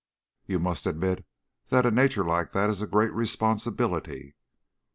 "You must admit that a nature like that is a great responsibility."